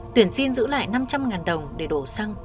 tuyển xin giữ lại năm trăm linh ngàn đồng để đổi